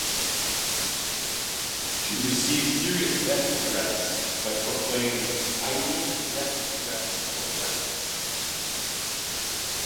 She received serious death threats, but proclaimed: "I eat death threats for breakfast".